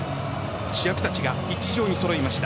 主役たちがピッチ上に揃いました。